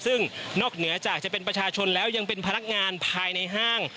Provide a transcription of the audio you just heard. ซึ่งนอกเหนือจากจะเป็นประชาชนแล้วยังเป็นพนักงานภายในห้าง